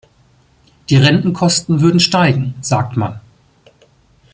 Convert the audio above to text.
Die Rentenkosten würden steigen, sagt man.